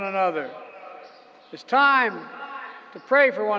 saat ini kita berdoa untuk satu sama lain